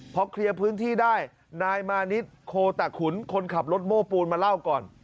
พอเคลียร์พื้นที่ได้นายมานิดโคตะขุนคนขับรถโม้ปูนมาเล่าก่อน